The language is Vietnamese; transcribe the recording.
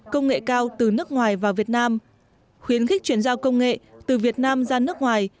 công nghệ cao từ nước ngoài vào việt nam khuyến khích chuyển giao công nghệ từ việt nam ra nước ngoài